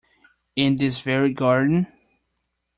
In this very garden.